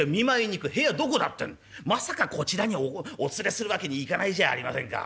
まさかこちらにお連れする訳にいかないじゃありませんか。